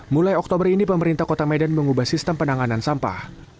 mulai oktober ini pemerintah kota medan mengubah sistem penanganan sampah